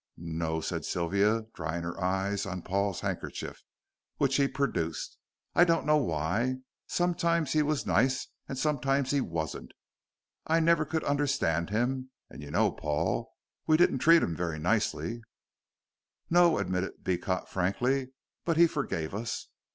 "N o o," said Sylvia, drying her eyes on Paul's handkerchief, which he produced. "I don't know why. Sometimes he was nice, and sometimes he wasn't. I never could understand him, and you know, Paul, we didn't treat him nicely." "No," admitted Beecot, frankly, "but he forgave us."